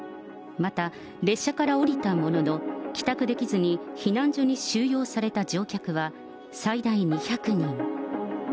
また、列車から降りたものの、帰宅できずに避難所に収容された乗客は最大２００人。